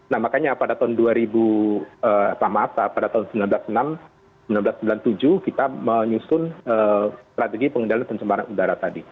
nah makanya pada tahun dua ribu apa masa pada tahun seribu sembilan ratus sembilan puluh enam seribu sembilan ratus sembilan puluh tujuh kita menyusun strategi pengendalian penjemaran udara